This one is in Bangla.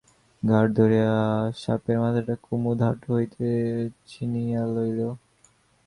ঘাড় ধরিয়া সাপের মাথাটা কুমুদ হাটু হইতে ছিনাইয়া লইল।